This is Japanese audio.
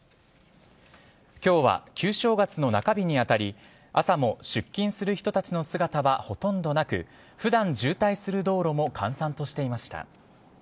今日は旧正月の中日に当たり朝も出勤する人たちの姿はほとんどなく普段渋滞する道路も閑散としていました。